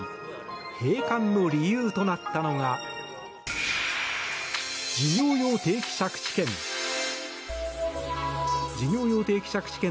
閉館の理由となったのが事業用定期借地権。